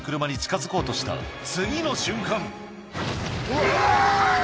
うわ！